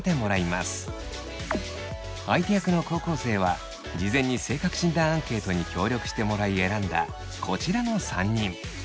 相手役の高校生は事前に性格診断アンケートに協力してもらい選んだこちらの３人。